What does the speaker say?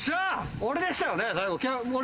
俺でしたよね！